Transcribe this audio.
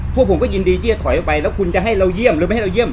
พวกผมก็ยินดีที่จะถอยออกไปแล้วคุณจะให้เราเยี่ยมหรือไม่ให้เราเยี่